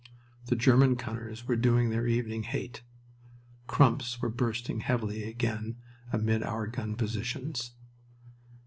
The German gunners were doing their evening hate. Crumps were bursting heavily again amid our gun positions.